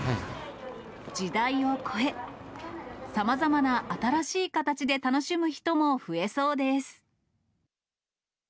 時代を超え、さまざまな新しい形で楽しむ人も増えそうです。